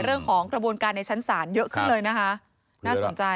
เรื่องของกระบวนการในชั้นศาลเยอะขึ้นเลยนะคะน่าสนใจ